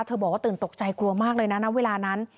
บอกว่าตื่นตกใจกลัวมากเลยนะณเวลานั้น